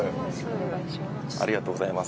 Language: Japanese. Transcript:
ありがとうございます。